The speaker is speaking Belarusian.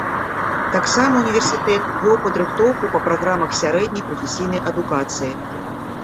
Таксама ўніверсітэт вёў падрыхтоўку па праграмах сярэдняй прафесійнай адукацыі.